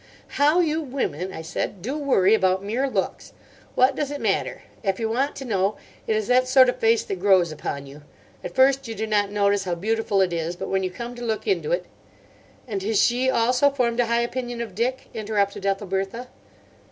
"How you women," I said, "do worry about mere looks! What does it matter? If you want to know, it is that sort of face that grows upon you. At first you do not notice how beautiful it is, but when you come to look into it—" "And has she also formed a high opinion of Dick?" interrupted Ethelbertha.